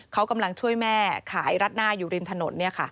เขากำลังช่วยแม่ขายรัดหน้าอยู่ริมถนน